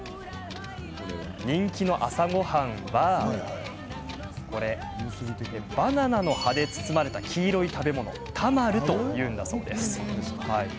人気の朝ごはんはバナナの葉で包まれた黄色い食べ物タマルというんだそうです。